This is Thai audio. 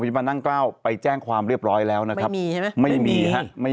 ไม่ใช่แค่ถุงนอกแหละค่ะ